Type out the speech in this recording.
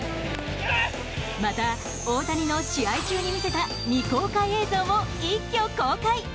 また、大谷の試合中に見せた未公開映像も一挙公開。